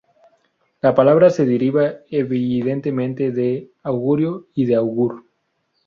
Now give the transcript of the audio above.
La palabra se deriva evidentemente de augurio y de augur.